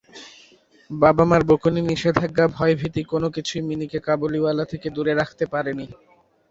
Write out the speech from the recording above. বাবা-মার বকুনি, নিষেধাজ্ঞা, ভয়ভীতি কোনো কিছুই মিনিকে কাবুলিওয়ালা থেকে দূরে রাখতে পারেনি।